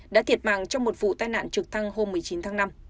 đã thiệt mạng trong một vụ tai nạn trực thăng hôm một mươi chín tháng năm